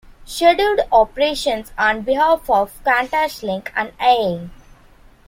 Scheduled operations on behalf of QantasLink and AaE.